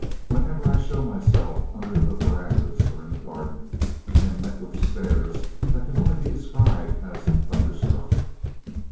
Wherever I show myself under the verandahs or in the garden, I am met with stares that can only be described as thunderstruck."